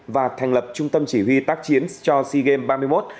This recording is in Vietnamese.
và thành lập trung tâm chỉ huy tác chiến cho sea games ba mươi một